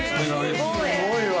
すごいわ。